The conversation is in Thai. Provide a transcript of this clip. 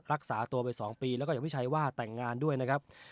รักษาตัวไป๒ปีแล้วก็อย่างพี่ชัยว่าแต่งงานด้วยนะครับ